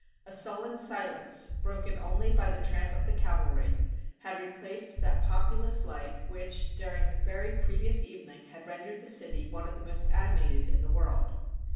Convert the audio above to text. A sullen silence, broken only by the tramp of the cavalry, had replaced that populous life which during the very previous eve ning had rendered the city one of the most animated in the world.